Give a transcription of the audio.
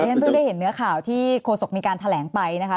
ฉันเพิ่งได้เห็นเนื้อข่าวที่โฆษกมีการแถลงไปนะคะ